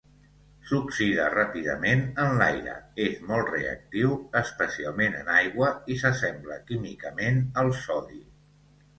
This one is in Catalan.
S'oxida ràpidament en l'aire, és molt reactiu, especialment en aigua, i s'assembla químicament al sodi.